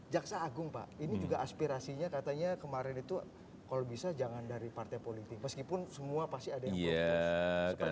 jaksa agung pak ini juga aspirasinya katanya kemarin itu kalau bisa jangan dari partai politik meskipun semua pasti ada yang proporsi